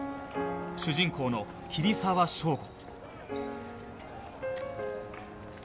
主人公の桐沢祥吾